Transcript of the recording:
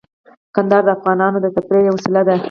کندهار د افغانانو د تفریح یوه وسیله ده.